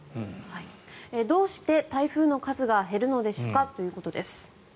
どうして台風の数が減るのですか？ということです。